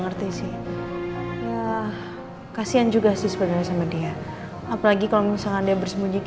ngerti sih ya kasihan juga sih sebenarnya sama dia apalagi kalau misalnya dia bersembunyi